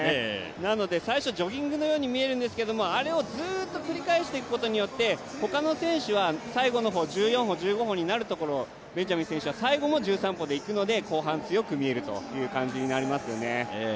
なので最初ジョギングのように見えるんですけど、あれをずっと繰り返していくことによって他の選手は最後の方、１４歩、１５歩でいくところを、ベンジャミン選手は最後も１３歩でいくので、後半、強く見えるという感じになりますよね。